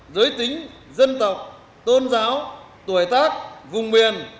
giới tính dân tộc tôn giáo tuổi tác vùng miền